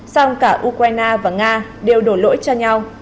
song cả ukraine và nga đều đổ lỗi cho nhau